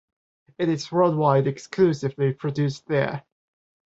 It is worldwide exclusively produced there.